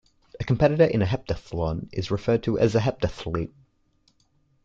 A competitor in a heptathlon is referred to as a heptathlete.